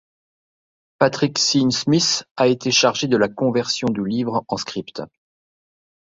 Patrick Sean Smith, a été chargé de la conversion du livre en script.